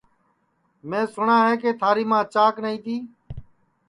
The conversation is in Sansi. میں سُٹؔا ہے کہ تھاری ماں چاک نائی تی